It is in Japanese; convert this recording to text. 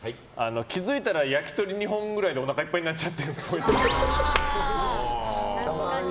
気づいたら焼き鳥２本くらいでおなかいっぱいにああ、×！